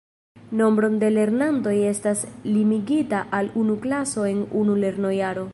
Nombro de lernantoj estas limigita al unu klaso en unu lernojaro.